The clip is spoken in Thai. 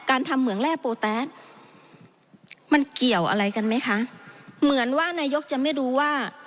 ทำเหมืองแร่โปแต๊สมันเกี่ยวอะไรกันไหมคะเหมือนว่านายกจะไม่รู้ว่า